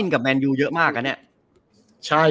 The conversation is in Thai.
เข้าใจ